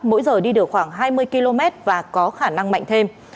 mỗi giờ đi được khoảng hai mươi km và có khả năng mạnh thêm